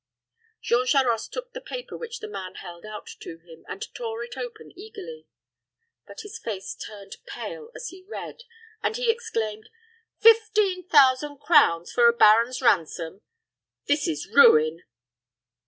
Jean Charost took the paper which the man held out to him, and tore it open eagerly; but his face turned pale as he read, and he exclaimed, "Fifteen thousand crowns for a baron's ransom! This is ruin."